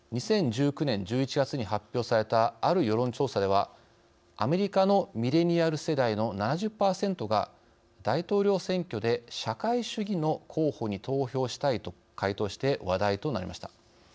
２０１９年１１月に発表されたある世論調査では、アメリカのミレニアル世代の７０％が「大統領選挙で社会主義の候補に投票したい」と回答して話題となりました。